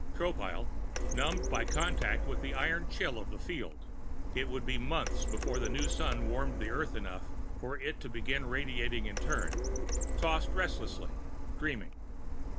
Tropile, numbed by contact with the iron chill of the field it would be months before the new Sun warmed the Earth enough for it to begin radiating in turn tossed restlessly, dreaming.